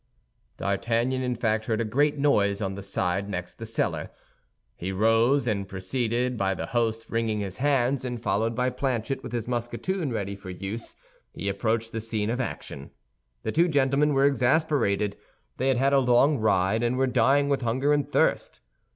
D'Artagnan, in fact, heard a great noise on the side next the cellar. He rose, and preceded by the host wringing his hands, and followed by Planchet with his musketoon ready for use, he approached the scene of action. The two gentlemen were exasperated; they had had a long ride, and were dying with hunger and thirst.